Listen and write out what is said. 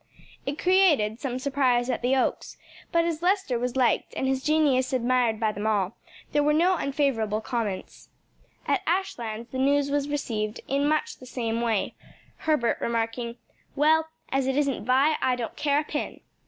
It created some surprise at the Oaks, but as Lester was liked and his genius admired by them all, there were no unfavorable comments. At Ashlands the news was received in much the same way, Herbert remarking, "Well, as it isn't Vi, I don't care a pin."